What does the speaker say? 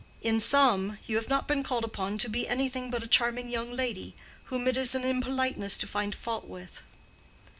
"In sum, you have not been called upon to be anything but a charming young lady, whom it is an impoliteness to find fault with."